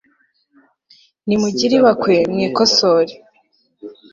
nimugire ibakwe mwikosore